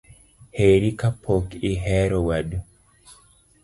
Herri kapok ihero wadu